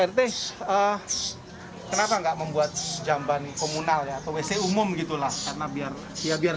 rt ah kenapa enggak membuat jamban komunal atau wc umum gitulah karena biar ya biar